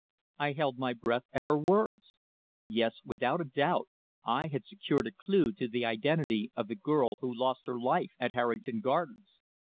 I held my breath at her words. Yes, without a doubt I had secured a clue to the identity of the girl who lost her life at Harrington Gardens.